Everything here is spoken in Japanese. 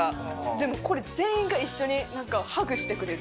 でもこれ全員が一緒になんか、ハグしてくれる。